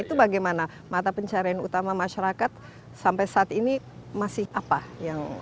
itu bagaimana mata pencarian utama masyarakat sampai saat ini masih apa yang